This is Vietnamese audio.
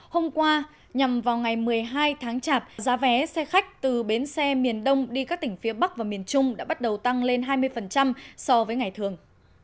hôm qua nhằm vào ngày một mươi hai tháng chạp giá vé xe khách từ bến xe miền đông đi các tỉnh phía bắc và miền trung đã bắt đầu tăng lên hai mươi so với ngày thường